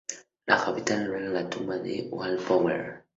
La capital alberga la tumba de Baden-Powell.